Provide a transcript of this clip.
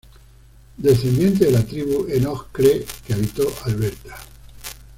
Descendiente de la tribu "enoch cree" que habitó Alberta.